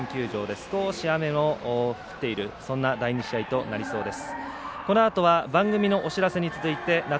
少し雨の降っているそんな第２試合となりそうです。